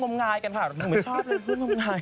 พูดง่ายกันค่ะผมไม่ชอบเลย